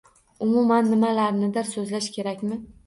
Umuman, nimalarnidir so’zlash kerakmi?